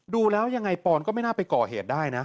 ดูแล้วยังไงปอนก็ไม่น่าไปก่อเหตุได้นะ